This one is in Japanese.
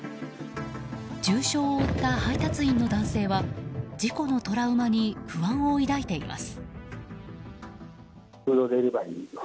重傷を負った配達員の男性は事故のトラウマに不安を抱いています。